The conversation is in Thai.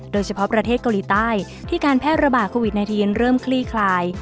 โดยเฉพาะประเทศเกาหลีใต้ที่การแพร่ระบาดโควิด๑๙เริ่มคลี่คลาย